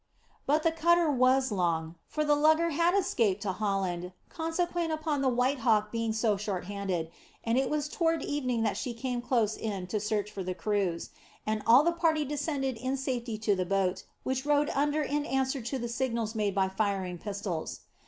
But the cutter was long. For the lugger had escaped to Holland consequent upon the White Hawk being so short handed, and it was toward evening that she came close in to search for the crews, and all the party descended in safety to the boat, which rowed under in answer to the signals made by firing pistols.